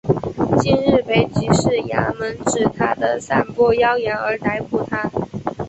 近日被缉事衙门指他散播妖言而逮捕他。